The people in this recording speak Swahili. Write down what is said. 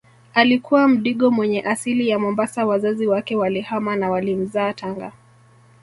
Alikuwa mdigo mwenye asili ya Mombasa wazazi wake walihama na walimzaa Tanga